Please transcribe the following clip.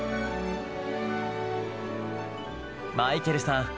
マイケルさん